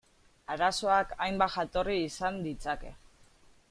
Arazoak hainbat jatorri izan ditzake.